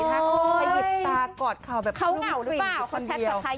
ถ้าเขาไปหยิบตากอดเขาแบบนุ่มกลิ่นอยู่คนเดียว